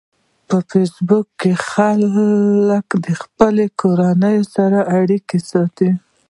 په فېسبوک کې خلک د خپلو کورنیو سره اړیکه ساتي